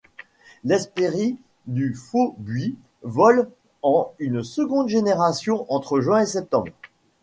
L'Hespérie du faux buis vole en une seule génération entre juin et septembre.